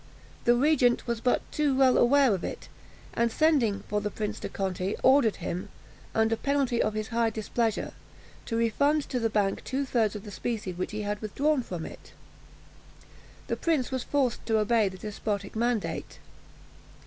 The regent was but too well aware of it, and, sending for the Prince de Conti, ordered him, under penalty of his high displeasure, to refund to the bank two thirds of the specie which he had withdrawn from it. The prince was forced to obey the despotic mandate.